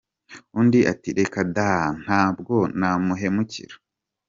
Undi ati “Reka da, ntabwo namuhemukira.